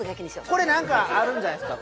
これなんかあるんじゃないんですか？